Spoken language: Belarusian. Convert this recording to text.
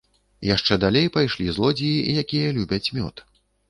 Яшчэ далей пайшлі злодзеі, якія любяць мёд.